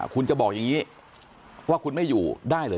คุณจะบอกอย่างนี้ว่าคุณไม่อยู่ได้เหรอ